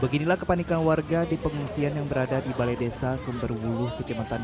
beginilah kepanikan warga di pengungsian yang berada di balai desa sumberwuluh kecematan